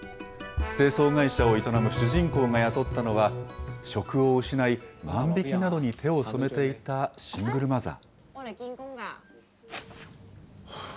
清掃会社を営む主人公が雇ったのは、職を失い、万引きなどに手を染めていたシングルマザー。